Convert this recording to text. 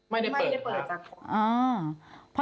ไม่ได้เปิดจากก๊อก